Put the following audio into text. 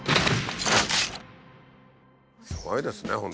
すごいですね